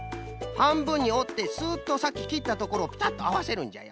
はんぶんにおってスッとさっききったところをピタッとあわせるんじゃよ。